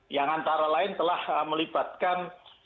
yang antara lain telah melibatkan